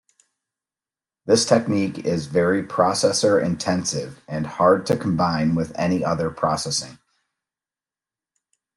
This technique is very processor-intensive and hard to combine with any other processing.